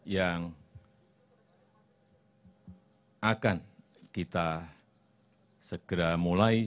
yang akan kita segera mulai